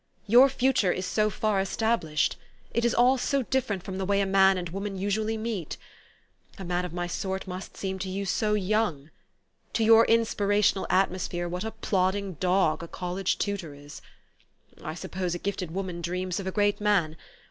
Your future is so far established. It is all so differ ent from the way a man and woman usualty meet ! A man of my sort must seem to you so young. To your inspirational atmosphere what a plodding dog a college tutor is ! I suppose a gifted woman dreams of a great man.